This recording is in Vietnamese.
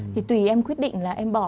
thì tùy em quyết định là em bỏ